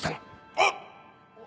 「あっ！？」